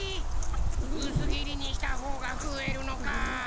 うすぎりにしたほうがふえるのか。